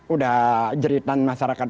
udah jeritan masyarakat